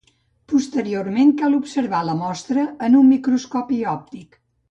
Posteriorment cal observar la mostra en un microscopi òptic.